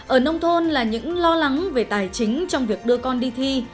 ở nông thôn là những lo lắng về tài chính trong việc đưa con đi thi